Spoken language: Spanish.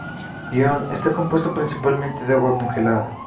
Dione está compuesto principalmente de agua congelada.